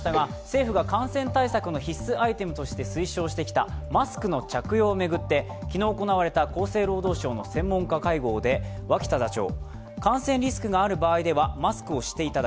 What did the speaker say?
政府が感染対策の必須アイテムとして推奨してきたマスクの着用を巡って昨日行われた厚生労働省の専門家会合で脇田座長